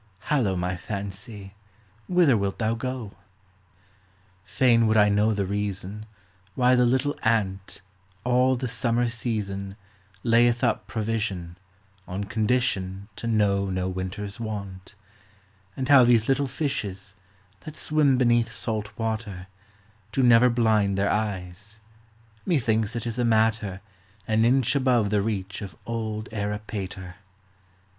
Hallo, my fancy, whither wilt thou go? Fain would I know the reason Why the little ant, All the summer season, Layeth up provision, On condition To know no winter's want : And how these little fishes, that swim beneath salt water, Do never blind their eyes ; methinks it is a matter An inch above the reach of old Erra Pater